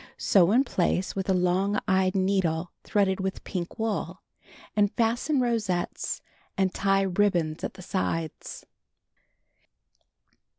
Sew in place with a long eyed needle threaded with pink wool, and fasten rosettes and tie ribbons at the sides.